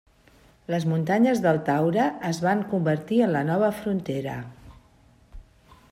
Les Muntanyes del Taure es van convertir en la nova frontera.